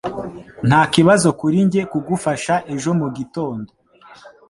Ntakibazo kuri njye kugufasha ejo mugitondo